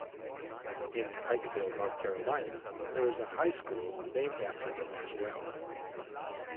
In Pikeville, North Carolina, there is a high school named after him as well.